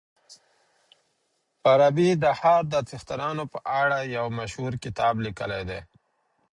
فارابي د ښار د څښتنانو په اړه يو مشهور کتاب ليکلی دی.